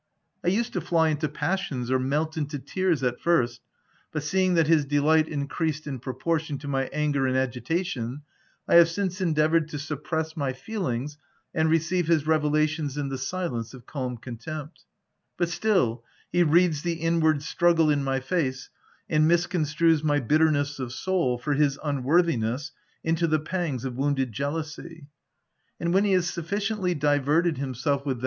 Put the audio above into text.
I used to fly into passions or melt into tears at first, but seeing that his delight increased in proportion to my anger and agi tation, I have since endeavoured to suppress my feelings and receive his revelations in the silence of calm contempt; but still, he reads the inward struggle in my face, and miscon strues my bitterness of soul for his unwor thiness into the pangs of wounded jealousy ; and when he has sufficiently diverted himself with OF WILDFELL HALL.